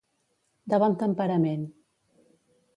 De bon temperament.